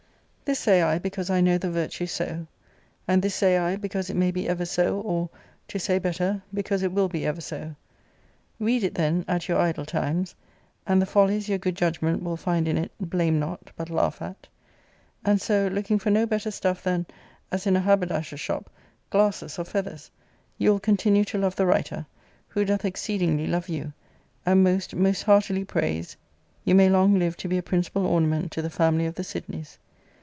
This say I because I know the virtue so; and this say I because it may be ever so, or, to say better, because it will be ever so. Read it, then, at your idle times, and the follies your good judgment will find in it blame not, but laugh at ; and so, looking for no better stuff than, as in a haberdasher's shop, glasses or feathers, you will continue to love the writer, who doth exceed ingly love you, and most, most heartily prays you may long live to be a principal ornament to the family of the Sidneys.